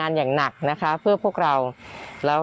คุณหมอครับสวัสดีครับคุณหมอครับ